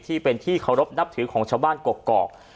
ที่เป็นที่เคารพนับถือของชาวบ้านกกอก